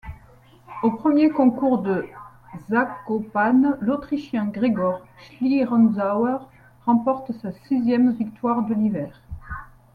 Au premier concours de Zakopane, l'Autrichien Gregor Schlierenzauer remporte sa sixième victoire de l'hiver.